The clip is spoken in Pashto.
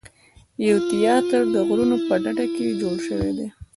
یو تیاتر د غرونو په ډډه کې جوړ شوی دی.